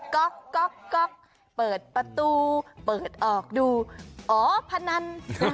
ก๊อกก๊อกก๊อกเปิดประตูเปิดออกดูอ๋อพนัน